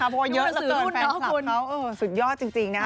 เพราะว่าเยอะเหลือเกินแฟนคลับเขาสุดยอดจริง